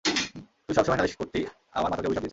তুই সবসময় নালিশ করতি আমার মা তোকে অভিশাপ দিয়েছে।